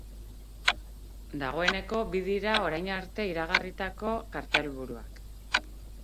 Dagoeneko bi dira orain arte iragarritako kartelburuak.